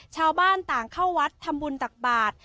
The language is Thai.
ชาวบ้านต่างเข้าวัดทำบุญตักบาท